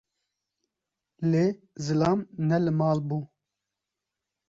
Lê zilam ne li mal bû